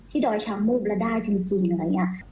ดอยชำมูบแล้วได้จริงอะไรอย่างนี้